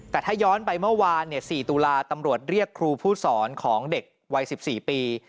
แต่ถ้าย้อนไปเมื่อวาน๔ตุลาตำรวจเรียกครูผู้สอนของเด็กวัย๑๔ปี